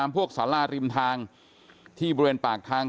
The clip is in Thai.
พวกสาราริมทางที่บริเวณปากทาง